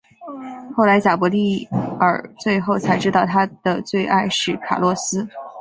后来贾柏莉儿最后才知道她的最爱是卡洛斯。